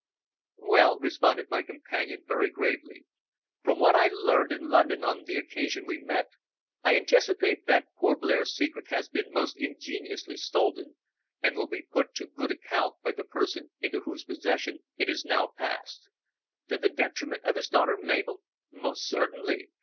"Well," responded my companion, very gravely, "from what I learned in London on the occasion we met, I anticipate that poor Blair's secret has been most ingeniously stolen, and will be put to good account by the person into whose possession it has now passed." "To the detriment of his daughter Mabel?" "Most certainly.